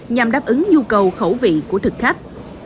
nhằm đáp ứng nhu cầu khẩu vị của thực khách